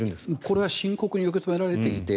これは深刻に受け止められていて。